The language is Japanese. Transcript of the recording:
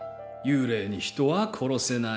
幽霊に人は殺せない